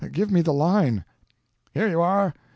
Give me the line." "Here you are.